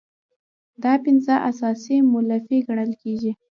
دا پنځه اساسي مولفې ګڼل کیږي.